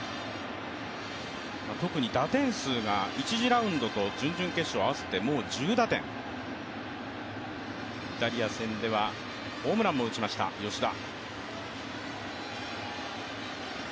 特に打点数が１次ラウンドと準々決勝合わせてもう１０打点、イタリア戦ではホームランも打ちました吉田。